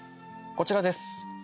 こちらです。